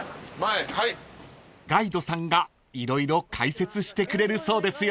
［ガイドさんが色々解説してくれるそうですよ］